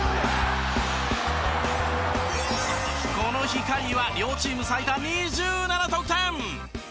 この日カリーは両チーム最多２７得点！